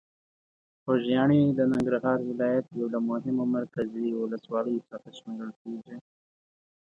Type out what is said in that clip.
خوږیاڼي د ننګرهار ولایت یو له مهمو مرکزي ولسوالۍ څخه شمېرل کېږي.